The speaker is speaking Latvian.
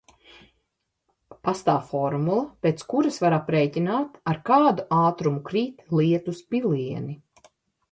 Pastāv formula, pēc kuras var aprēķināt, ar kādu ātrumu krīt lietus pilieni.